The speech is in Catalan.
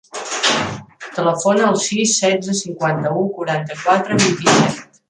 Telefona al sis, setze, cinquanta-u, quaranta-quatre, vint-i-set.